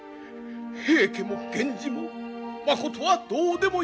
平家も源氏もまことはどうでもよい！